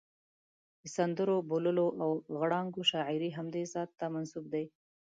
د سندرو، بوللو او غړانګو شاعري همدې ذات ته منسوب دي.